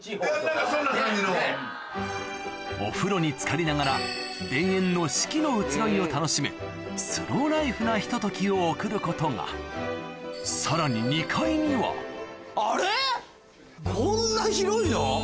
お風呂につかりながら田園のスローライフなひとときを送ることがさらにこんな広いの？